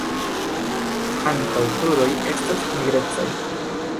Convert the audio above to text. Ankaŭ kruroj estas nigrecaj.